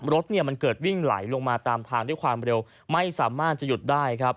รถเกิดวิ่งไหลลงมาตามทางด้วยความเร็วไม่สามารถจะหยุดได้